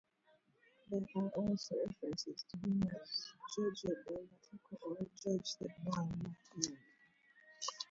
There are also references to him as "Giorgio Dalmatico" or as "George the Dalmatian".